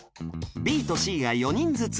Ｂ と Ｃ が４人ずつ